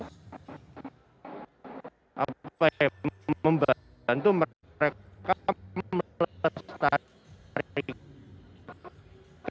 supaya membaikan itu mereka melepas setara